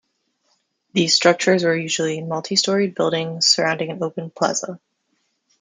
These structures were usually multi-storied buildings surrounding an open plaza.